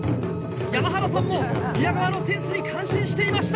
山原さんも、宮川のセンスに感心していました。